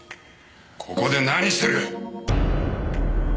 ここで何してる！